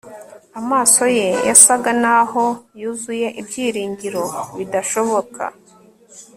Amaso ye yasaga naho yuzuye ibyiringiro bidashoboka